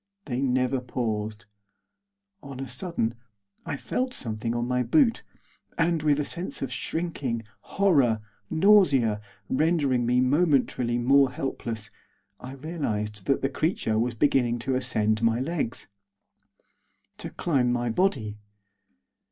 They never paused. On a sudden I felt something on my boot, and, with a sense of shrinking, horror, nausea, rendering me momentarily more helpless, I realised that the creature was beginning to ascend my legs, to climb my body.